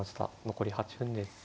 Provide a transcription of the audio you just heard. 残り８分です。